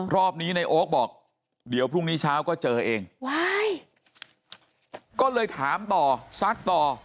รอบนี้ในโอ๊คบอกเดี๋ยวพรุ่งนี้เช้าก็เจอเองว้ายก็เลยถามต่อซักต่อ